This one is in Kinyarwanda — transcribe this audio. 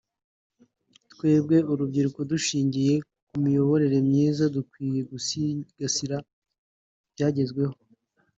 twebwe urubyiruko dushingiye ku miyoborere myiza dukwiye gusigasira ibyagezweho